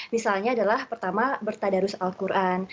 misalnya adalah pertama bertadarus al quran